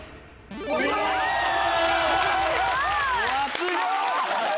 すごい！